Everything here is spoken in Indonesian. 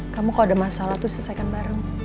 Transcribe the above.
kamu kalo ada masalah tuh diselesaikan bareng